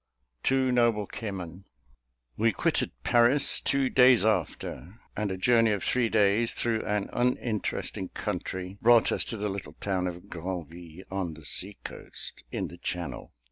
Two Noble Kimmen. We quitted Paris two days after; and a journey of three days, through an uninteresting country, brought us to the little town of Granville, on the sea coast, in the channel.